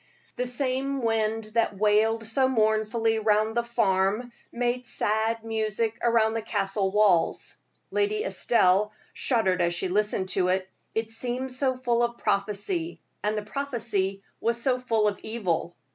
The same wind that wailed so mournfully round the farm made sad music round the Castle walls. Lady Estelle shuddered as she listened to it; it seemed so full of prophecy, and the prophecy was so full of evil.